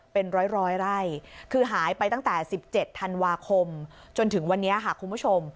เป็นร้อยไร่คือหายไปตั้งแต่๑๗ธันวาคมจนถึงวันนี้ค่ะคุณผู้ชม